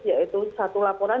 yaitu satu laporan